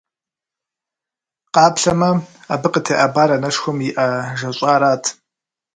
Къаплъэмэ, абы къытеӏэбар анэшхуэм и Ӏэ жэщӀарат.